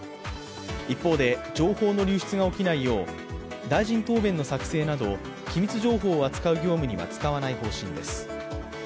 一方で、情報の流出が起きないよう大臣答弁の作成など、機密情報を扱う業務には使わない方針です。